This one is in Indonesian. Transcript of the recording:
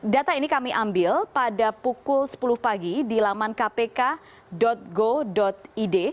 data ini kami ambil pada pukul sepuluh pagi di laman kpk go id